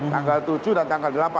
tanggal tujuh dan tanggal delapan